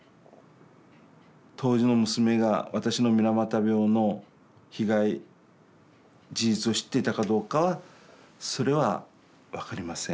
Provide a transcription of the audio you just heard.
当時の娘が私の水俣病の被害事実を知っていたかどうかはそれは分かりません。